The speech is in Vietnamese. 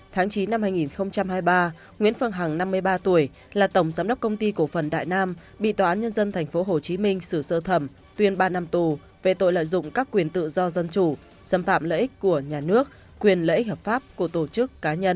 tháng chín năm hai nghìn hai mươi ba nguyễn phương hằng năm mươi ba tuổi là tổng giám đốc công ty cổ phần đại nam bị tòa án nhân dân tp hcm xử sơ thẩm tuyên ba năm tù về tội lợi dụng các quyền tự do dân chủ xâm phạm lợi ích của nhà nước quyền lợi ích hợp pháp của tổ chức cá nhân